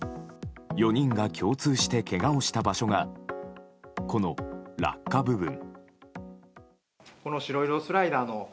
４人が共通してけがをした場所がこの落下部分。